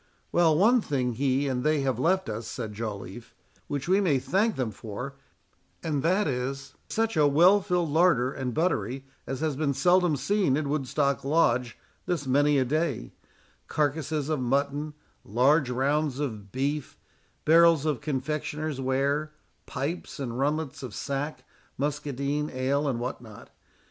"Well, one thing he and they have left us," said Joliffe, "which we may thank them for; and that is, such a well filled larder and buttery as has been seldom seen in Woodstock Lodge this many a day: carcasses of mutton, large rounds of beef, barrels of confectioners' ware, pipes and runlets of sack, muscadine, ale, and what not.